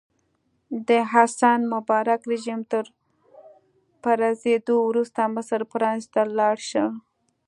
د حسن مبارک رژیم تر پرځېدو وروسته مصر پرانیستو ته لاړ شي.